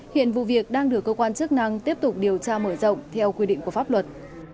hiện vụ việc đang được cơ quan chức năng tiếp tục điều tra mở rộng theo quy định của pháp luật